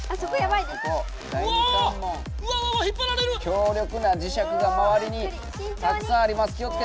強力な磁石がまわりにたくさんあります。